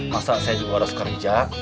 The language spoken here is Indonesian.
masa saya juga harus kerja